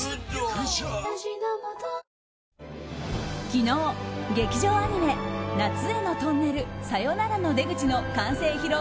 昨日、劇場アニメ「夏へのトンネル、さよならの出口」の完成披露